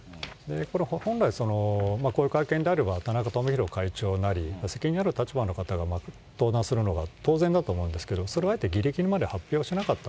これ本来、こういう会見であれば、田中富広会長なり、責任ある立場の方が登壇するのが当然だと思うんですけど、それをあえてぎりぎりまで発表しなかった。